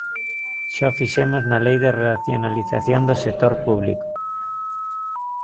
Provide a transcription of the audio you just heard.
Xa o fixemos na Lei de racionalización do sector público.